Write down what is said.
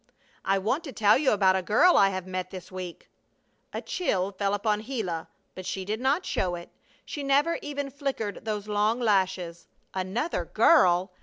"I want to tell you about a girl I have met this week." A chill fell upon Gila, but she did not show it, she never even flickered those long lashes. Another girl!